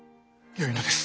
よいのです。